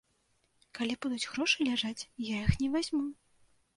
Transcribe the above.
Калі будуць грошы ляжаць, я іх не вазьму.